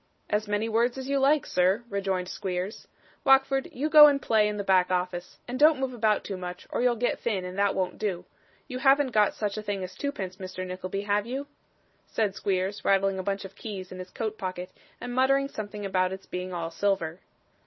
'As many words as you like, sir,' rejoined Squeers. 'Wackford, you go and play in the back office, and don't move about too much or you'll get thin, and that won't do. You haven't got such a thing as twopence, Mr Nickleby, have you?' said Squeers, rattling a bunch of keys in his coat pocket, and muttering something about its being all silver.